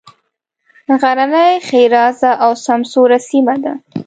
غرنۍ ښېرازه او سمسوره سیمه ده.